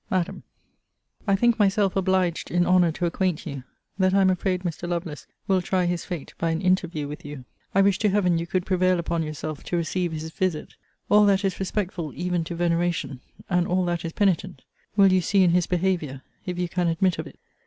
MADAM, I think myself obliged in honour to acquaint you that I am afraid Mr. Lovelace will try his fate by an interview with you. I wish to Heaven you could prevail upon yourself to receive his visit. All that is respectful, even to veneration, and all that is penitent, will you see in his behaviour, if you can admit of it.